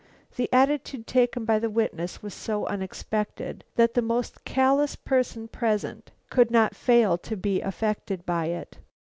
The attitude taken by the witness was so unexpected that the most callous person present could not fail to be affected by it.